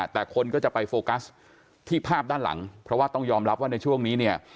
แต่คนก็จะไปโฟกัสที่ภาพด้านหลังเพราะว่าต้องยอมรับว่าในช่วงนี้เนี่ย